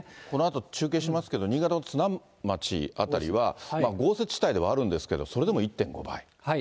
このあと中継しますけど、新潟は津南町辺りは、豪雪地帯ではあるんですけれども、それでも１．５倍。